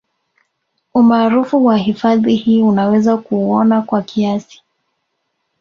Umaarufu wa hifadhi hii unaweza kuuona kwa kiasi